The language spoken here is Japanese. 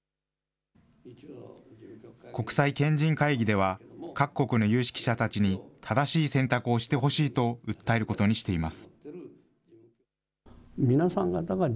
国際賢人会議では、各国の有識者たちに正しい選択をしてほしいと訴えることにしています。